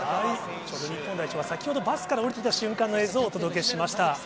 日本代表が先ほどバスから降りてきた瞬間の映像をお届けしました。